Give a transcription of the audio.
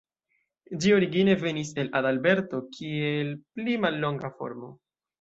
Ĝi origine venis el Adalberto, kiel pli mallonga formo.